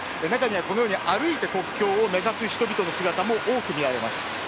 中には、このように歩いて国境を目指す人々の姿も多く見られます。